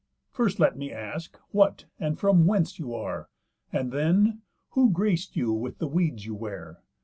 First let me ask, what, and from whence you are? And then, who grac'd you with the weeds you wear?